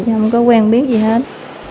chứ không có quen biết gì hết